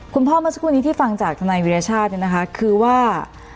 คุณพ่อเมื่อสักครู่นี้ที่ฟังจากธนัยวิทยาชาตินะคะคือว่า